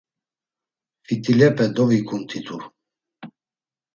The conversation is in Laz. Fit̆ilepe dovikumt̆itu.